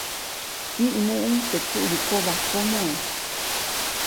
Kiʼmuʼuŋ teʼ kuʼyukobajkomo.